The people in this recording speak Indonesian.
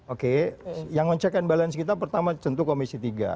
oke yang ngecek and balance kita pertama tentu komisi tiga